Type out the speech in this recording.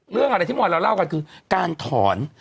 เรื่องอะไรที่มอยเราเล่ากันคือการถอน